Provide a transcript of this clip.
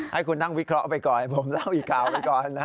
ให้คุณนั่งวิเคราะห์ไปก่อนผมเล่าอีกข่าวไปก่อน